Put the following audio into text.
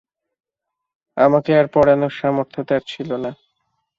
আমাকে আর পড়ানর সামর্থ্য তাঁর ছিল না।